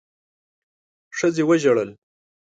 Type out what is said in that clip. ښځې وژړل.